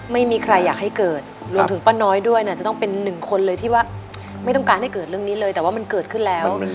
ไม่มีใครอยากให้เกิดรวมถึงป้าน้อยด้วยเนี่ยจะต้องเป็นหนึ่งคนเลยที่ว่าไม่ต้องการให้เกิดเรื่องนี้เลยแต่ว่ามันเกิดขึ้นแล้ว